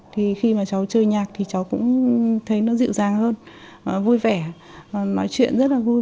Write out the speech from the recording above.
thì khi mà cháu chơi nhạc thì cháu cũng thấy nó dịu dàng hơn vui vẻ nói chuyện rất là vui